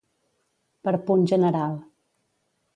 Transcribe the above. Per punt general.